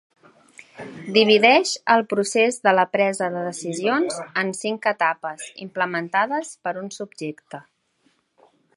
Divideix el procés de la presa de decisions en cinc etapes implementades per un subjecte.